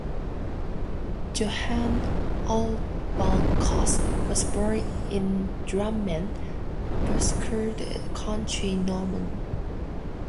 Johann Olav Koss was born in Drammen, Buskerud County, Norway.